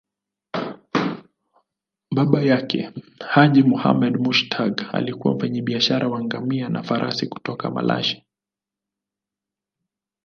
Baba yake, Haji Muhammad Mushtaq, alikuwa mfanyabiashara wa ngamia na farasi kutoka Malashi.